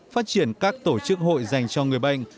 phát triển các tổ chức hội dành cho người bệnh